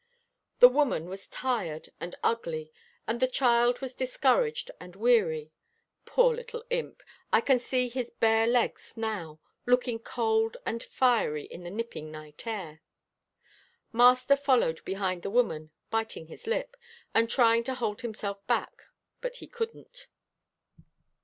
The woman was tired and ugly, and the child was discouraged and weary. Poor little imp I can see his bare legs now, looking cold and fiery in the nipping night air. Master followed behind the woman, biting his lip, and trying to hold himself back, but he couldn't.